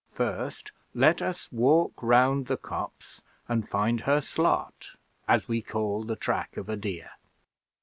First, let us walk round the copse and find her slot, as we call the track of a deer.